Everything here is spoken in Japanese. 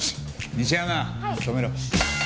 西山止めろ。